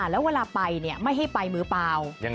แล้วเวลาไปไม่ให้ไปมือเปล่า